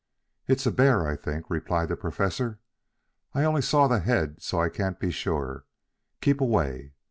"It's a bear, I think," replied the Professor. "I only saw the head so I can't be sure. Keep away.